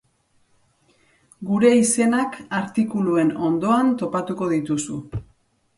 Gure izenak artikuluen ondoan topatuko dituzu.